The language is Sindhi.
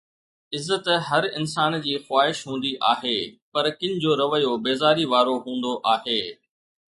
عزت هر انسان جي خواهش هوندي آهي، پر ڪن جو رويو بيزاري وارو هوندو آهي